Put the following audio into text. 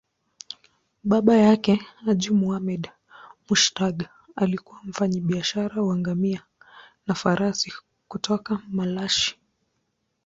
Baba yake, Haji Muhammad Mushtaq, alikuwa mfanyabiashara wa ngamia na farasi kutoka Malashi.